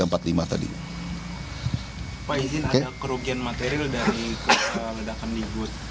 pak izin ada kerugian material dari ledakan di bus